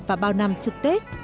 và bao năm trước tết